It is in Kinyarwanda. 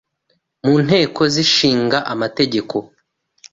mu nteko zishinga amategeko